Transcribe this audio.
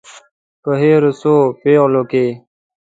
په هرو څو پیغلو کې.